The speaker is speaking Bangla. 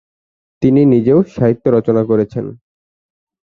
তিনি নিজেও সাহিত্য রচনা করেছেন।